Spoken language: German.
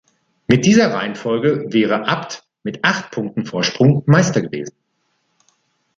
Mit dieser Reihenfolge wäre Abt mit acht Punkten Vorsprung Meister gewesen.